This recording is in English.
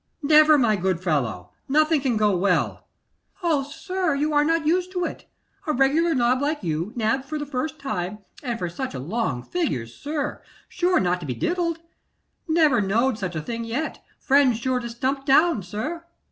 'Never, my good fellow; nothing can go well.' 'O sir! you are not used to it. A regular nob like you, nabbed for the first time, and for such a long figure, sir, sure not to be diddled. Never knowed such a thing yet. Friends sure to stump down, sir.